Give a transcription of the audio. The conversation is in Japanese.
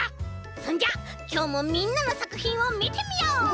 そんじゃきょうもみんなのさくひんをみてみよう！